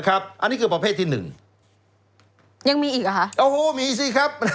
อันนี้คือประเภทที่หนึ่งยังมีอีกเหรอคะโอ้โหมีสิครับ